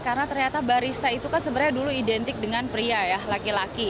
karena ternyata barista itu kan sebenarnya dulu identik dengan pria ya laki laki